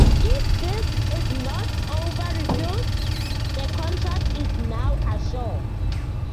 If this is not overruffed, the contract is now assured.